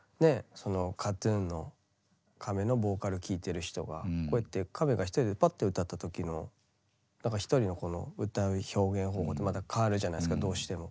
そのＫＡＴ−ＴＵＮの亀のボーカル聴いてる人がこうやって亀が一人でパッて歌った時の何か一人のこの歌う表現方法ってまた変わるじゃないですかどうしても。